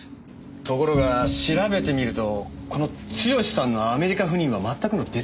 ところが調べてみるとこの剛史さんのアメリカ赴任はまったくのデタラメでして。